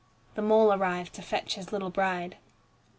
The mole arrived to fetch his little bride.